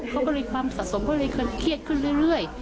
เขาก็เลยความสะสมเขาเลยเครื่องเครียดขึ้นเรื่อย